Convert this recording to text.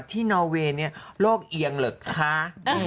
ที่นาเวนนี่โลกเอียงเหลือค้า